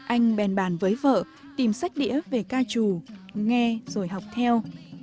anh bèn bàn với vợ tìm sách đĩa về ca trù nghe rồi học theo